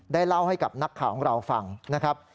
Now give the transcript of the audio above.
เล่าให้กับนักข่าวของเราฟังนะครับ